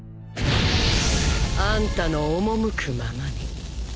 あんたの赴くままに。